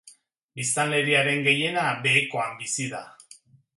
Biztanleriaren gehiena behekoan bizi da.